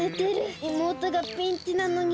いもうとがピンチなのに。